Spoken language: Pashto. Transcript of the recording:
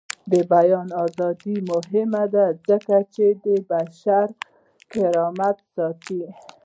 د بیان ازادي مهمه ده ځکه چې بشري کرامت ساتي.